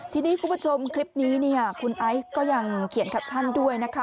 ทีนี้คุณผู้ชมคลิปนี้เนี่ยคุณไอซ์ก็ยังเขียนแคปชั่นด้วยนะคะ